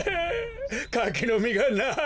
かきのみがない！